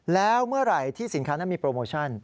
แล้วเมื่อไหร่ที่สินค้านั้นมีโปรโมชั่น